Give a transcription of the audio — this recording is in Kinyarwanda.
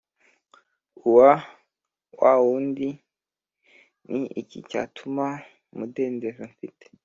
uwa wa wundi cNi iki cyatuma umudendezo mfite